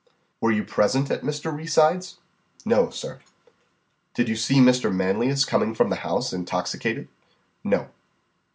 "Were you present at Mr. Reeside's?" "No, sir." "Did you see Mr. Manlius coming from the house intoxicated?" "No."